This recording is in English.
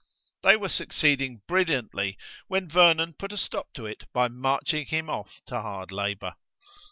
They were succeeding brilliantly when Vernon put a stop to it by marching him off to hard labour.